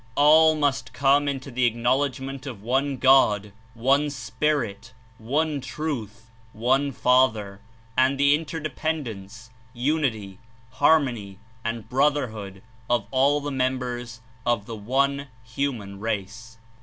All must come into the acknowledgment of One God, One Spirit, One Truth, One Father, and the Inter dependence, unity, harmony and brotherhood of all the members of the one human race.